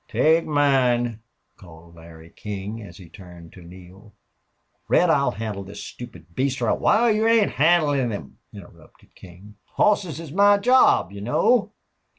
"Take mine," called Larry King, as he turned to Neale. "Red, I'll handle this stupid beast or " "Wal, you ain't handlin' him," interrupted King. "Hosses is my job, you know."